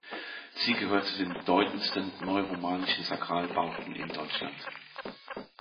Sie gehört zu den bedeutendsten neuromanischen Sakralbauten in Deutschland.